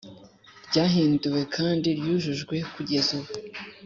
Ryahinduwe kandi ryujujwe kugeza ubu